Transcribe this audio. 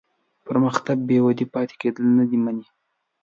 پرمختګ بېودې پاتې کېدل نه مني.